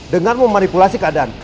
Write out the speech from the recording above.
dengan memanipulasi keadaan